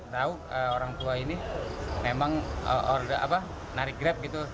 tahu orang tua ini memang narik grab gitu